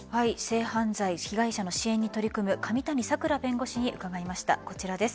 性犯罪被害者の支援に携わる上谷さくら弁護士にお伺いしました。